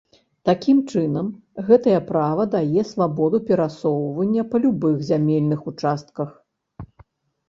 Такім чынам, гэтае права дае свабоду перасоўвання па любых зямельных участках.